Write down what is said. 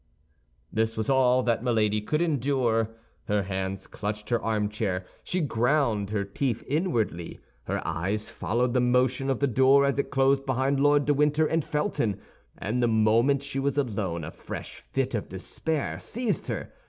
This was all that Milady could endure. Her hands clutched her armchair; she ground her teeth inwardly; her eyes followed the motion of the door as it closed behind Lord de Winter and Felton, and the moment she was alone a fresh fit of despair seized her.